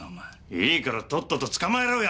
いいからとっとと捕まえろよ